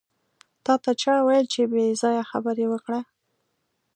تاته چا وېل چې پې ځایه خبرې وکړه.